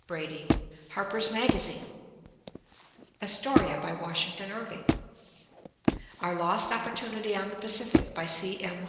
Brady, Harper's Magazine; Astoria, by Washington Irving; Our Lost Opportunity on the Pacific, by C. M.